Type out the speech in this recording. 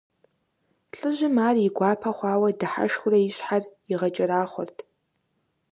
ЛӀыжьым ар и гуапэ хъуауэ дыхьэшхыурэ и щхьэр игъэкӀэрахъуэрт.